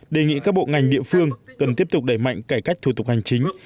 đề nghị các bộ ngành địa phương cần tiếp tục đẩy mạnh cải cách thủ tục hành chính